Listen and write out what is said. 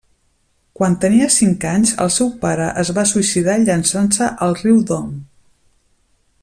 Quan tenia cinc anys el seu pare es va suïcidar llançant-se al riu Don.